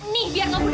nih biar gak budek